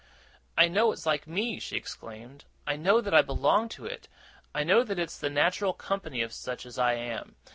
'I know it's like me!' she exclaimed. 'I know that I belong to it. I know that it's the natural company of such as I am!